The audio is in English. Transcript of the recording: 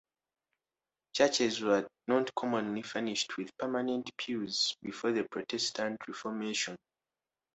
Churches were not commonly furnished with permanent pews before the Protestant Reformation.